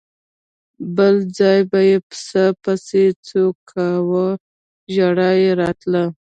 بل ځل به یې پسه پسې څو کاوه ژړا یې راتله.